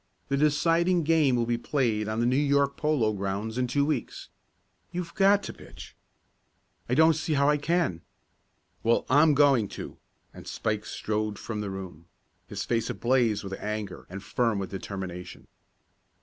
The deciding game will be played on the New York Polo Grounds in two weeks. You've got to pitch!" "I don't see how I can." "Well, I'm going to!" and Spike strode from the room, his face ablaze with anger and firm with determination.